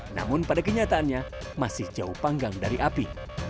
namun pada kenyataannya masih jauh panggang dari api